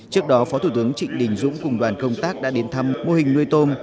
trước đó phó thủ tướng trịnh đình dũng cùng đoàn công tác đã đến thăm mô hình nuôi tôm